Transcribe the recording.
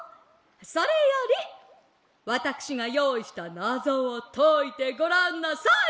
それよりわたくしがよういしたナゾをといてごらんなさいっ！